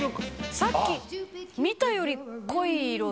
さっき見たより濃い色をしてる。